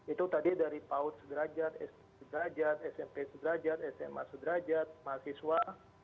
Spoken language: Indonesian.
itu tadi dari paud segera smp segera sma segera mahasiswa